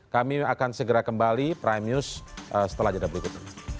kami akan segera kembali prime news setelah jeda berikut